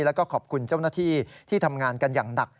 แล้วก็ขอบคุณเจ้าหน้าที่ที่ทำงานกันอย่างหนัก